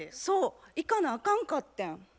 そう行かなあかんかってん。